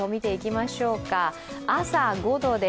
朝５度です